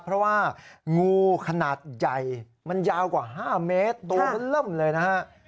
เพราะว่างูขนาดใหญ่มันยาวกว่า๕เมตรตัวมันเริ่มเลยนะฮะ